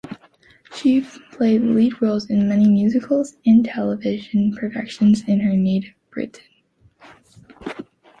She played lead roles in many musicals and television production in her native Britain.